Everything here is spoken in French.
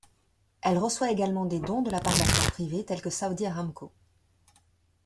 Elle reçoit également des dons de la part d'acteurs privés, tels que Saudi Aramco.